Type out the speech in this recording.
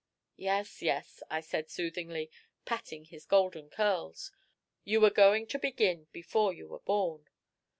"Yes, yes," I said soothingly, patting his golden curls; "you were going to begin before you were born."